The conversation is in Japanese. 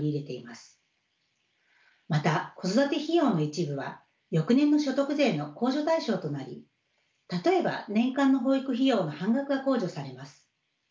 また子育て費用の一部は翌年の所得税の控除対象となり例えば年間の保育費用の半額が控除されます。